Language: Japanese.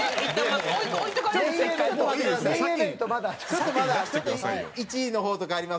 ちょっとまだ１位の方とかありますので。